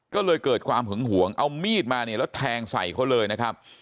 ก็เลยเกิดความหึงหวงเอามีดมาเนี่ยแล้วแทงใส่เขาเลยนะครับ